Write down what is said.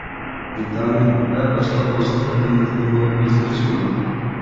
ۋىتامىن ۋە باشقا ئوزۇقلۇق قىممىتىدىمۇ ئۆزگىرىش بولىدۇ.